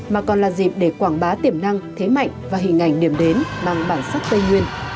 mà còn là dịp để quảng bá tiềm năng thế mạnh và hình ảnh điểm đến bằng bản sắc tây nguyên